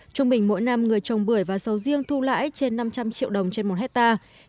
trung bình mỗi năm người trồng bưởi và sầu riêng thu lãi trên năm trăm linh triệu đồng trên một hectare